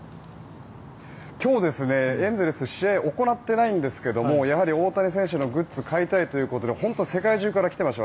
今日、エンゼルスは試合、行っていないんですが大谷選手のグッズを買いたいということで本当に世界中から来ていました。